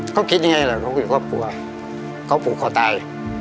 เค้าคิดยังไงแหละเค้าอยู่ครอบครัวเค้าปลูกก่อตาย